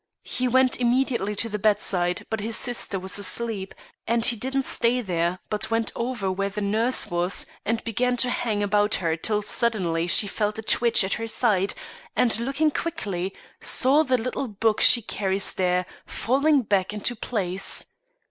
He went immediately to the bedside; but his sister was asleep, and he didn't stay there, but went over where the nurse was, and began to hang about her till suddenly she felt a twitch at her side and, looking quickly, saw the little book she carries there, falling back into place.